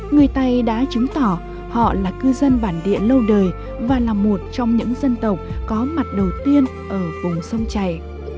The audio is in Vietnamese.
người tây đã chứng tỏ họ là cư dân bản địa lâu đời và là một trong những dân tộc có mặt đầu tiên ở vùng sông chảy